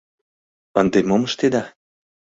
Ынде мом ыштеда?